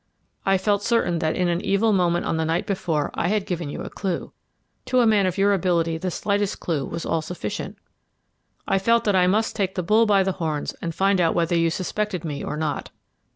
I felt certain that in an evil moment on the night before I had given you a clue. To a man of your ability the slightest clue was all sufficient. I felt that I must take the bull by the horns and find out whether you suspected me or not.